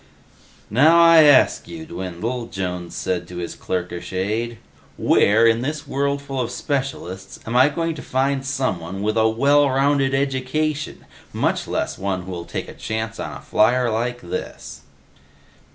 "Now I ask you, Dwindle," Jones said to his clerkish aide, "where, in this worldful of specialists, am I going to find someone with a well rounded education? Much less one who'll take a chance on a flier like this?"